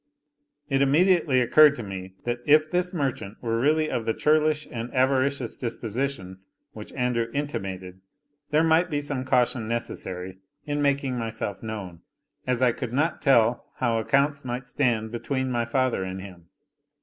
It immediately occurred to me, that if this merchant were really of the churlish and avaricious disposition which Andrew intimated, there might be some caution necessary in making myself known, as I could not tell how accounts might stand between my father and him.